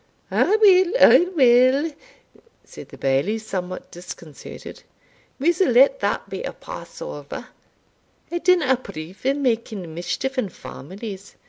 "Aweel, aweel," said the Bailie, somewhat disconcerted, "we'se let that be a pass over I dinna approve of making mischief in families.